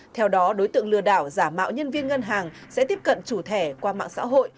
theo đó đối tượng lừa đảo giả mạo nhân viên ngân hàng sẽ tiếp cận chủ thẻ qua mạng xã hội